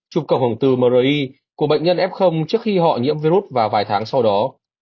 chụp cầu hồng từ mri của bệnh nhân f trước khi họ nhiễm virus và vài tháng sau đó